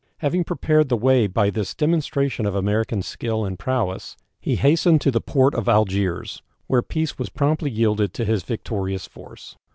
Having prepared the way by this demonstration of American skill and prowess, he hastened to the port of Algiers, where peace was promptly yielded to his victorious force.